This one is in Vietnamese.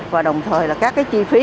và đồng thời là các cái chi phí